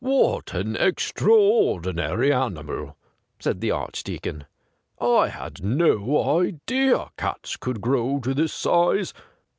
' What an extraordinary animal !' said the Archdeacon. ' I had no idea cats could grow to this size.